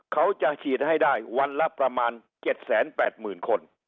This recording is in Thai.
เขาจะฉีดให้ได้วันละประมาณ๗๘๐๐๐คน